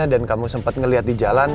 dan kamu sempat ngeliat di jalan